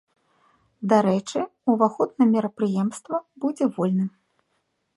Дарэчы, ўваход на мерапрыемства будзе вольным.